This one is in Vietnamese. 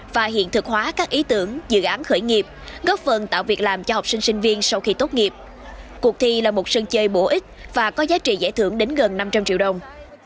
và hiện thực hóa các ý tưởng dự án khởi nghiệp góp phần tạo việc làm cho học sinh sinh viên sau khi tốt nghiệp cuộc thi là một sân chơi bổ ích và có giá trị giải thưởng đến gần năm trăm linh triệu đồng